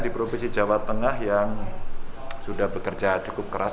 di provinsi jawa tengah yang sudah bekerja cukup keras